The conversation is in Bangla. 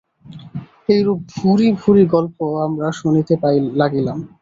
এইরূপ ভূরি ভূরি গল্প আমরা শুনিতে লাগিলাম।